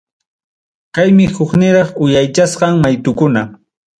Kaymi hukniraq uyaychasqan maytukuna.